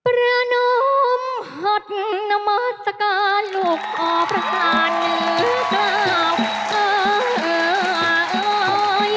พระนมหัตนำธการพระสานึกล้าว